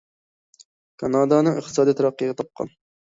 كانادانىڭ ئىقتىسادىي تەرەققىي تاپقان.